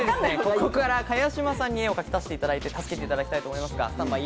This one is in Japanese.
ここから茅島さんに絵を描いていただいて、助けていただきたいと思います。